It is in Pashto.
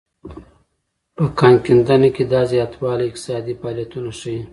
په کان کیندنه کې دا زیاتوالی اقتصادي فعالیتونه ښيي.